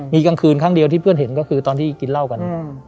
มีกลางคืนที่เพื่อนเห็นก็คือตอนที่กินเล่ากัน